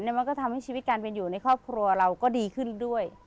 มันก็ทำให้ชีวิตการเป็นอยู่ในครอบครัวเราก็ดีขึ้นด้วย